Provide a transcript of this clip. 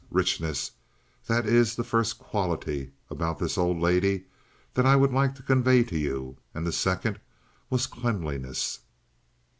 Richness, that is the first quality about this old lady that I would like to convey to you, and the second was cleanliness.